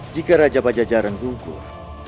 jika raja bajajaran gugur